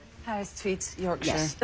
はい。